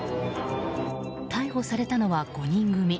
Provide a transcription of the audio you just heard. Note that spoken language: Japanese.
逮捕されたのは５人組。